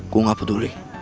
gue gak peduli